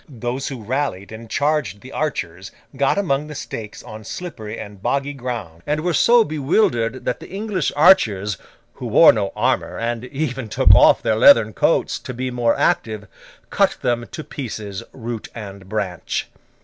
Those who rallied and charged the archers got among the stakes on slippery and boggy ground, and were so bewildered that the English archers—who wore no armour, and even took off their leathern coats to be more active—cut them to pieces, root and branch.